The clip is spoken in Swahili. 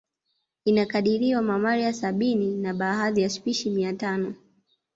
Inakadiriwa mamalia sabini na baadhi ya spishi mia tano